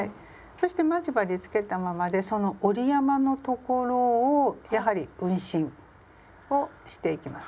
そして待ち針つけたままでその折り山の所をやはり運針をしていきます。